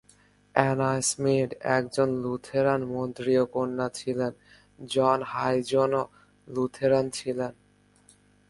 Anna Schmid একজন Lutheran মন্ত্রীর কন্যা ছিলেন; জন হাইঞ্জও লুথেরান ছিলেন।